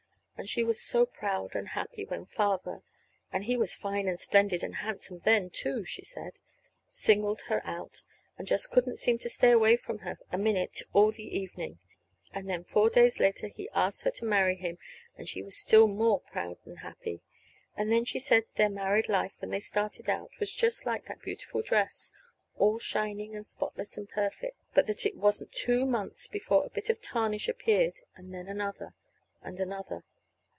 And she was so proud and happy when Father and he was fine and splendid and handsome then, too, she said singled her out, and just couldn't seem to stay away from her a minute all the evening. And then four days later he asked her to marry him; and she was still more proud and happy. And she said their married life, when they started out, was just like that beautiful dress, all shining and spotless and perfect; but that it wasn't two months before a little bit of tarnish appeared, and then another and another.